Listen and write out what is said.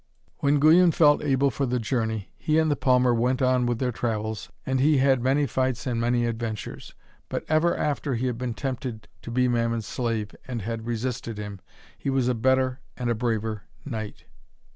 When Guyon felt able for the journey, he and the palmer went on with their travels, and he had many fights and many adventures. But ever after he had been tempted to be Mammon's slave and had resisted him, he was a better and a braver knight.